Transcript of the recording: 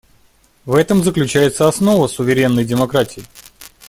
В этом заключается основа суверенной демократии.